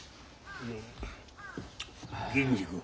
銀次君。